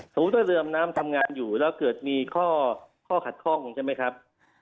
ว่าเรือดำน้ำทำงานอยู่แล้วเกิดมีข้อขัดข้องใช่ไหมครับ